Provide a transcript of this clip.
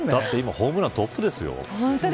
ホームラントップですよ。